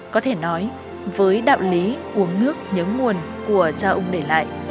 có thể nói với đạo lý uống nước nhớ nguồn của cha ông để lại